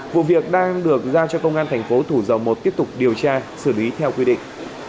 vụ việc đang được giao cho công an thành phố thủ dầu một tiếp tục điều tra xử lý theo quy định